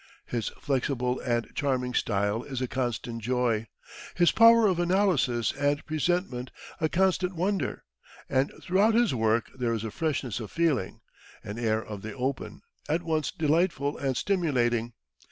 His flexible and charming style is a constant joy; his power of analysis and presentment a constant wonder; and throughout his work there is a freshness of feeling, an air of the open, at once delightful and stimulating.